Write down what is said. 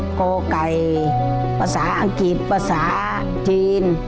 อังกฤษภาษาอังกฤษภาษาจีน